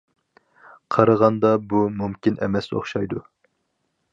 قارىغاندا، بۇ مۇمكىن ئەمەس ئوخشايدۇ.